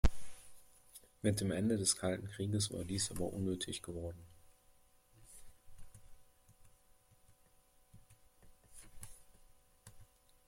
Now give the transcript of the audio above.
Mit dem Ende des Kalten Krieges war dies aber unnötig geworden.